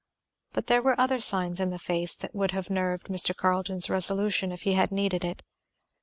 But there were other signs in the face that would have nerved Mr. Carleton's resolution if he had needed it.